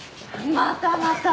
またまた！